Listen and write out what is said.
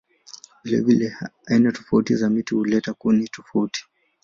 Vilevile aina tofauti za miti huleta kuni tofauti.